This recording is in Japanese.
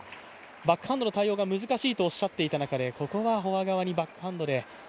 バックハンドの対応が難しいと言っていた中で、ここはフォア側にバックハンドで。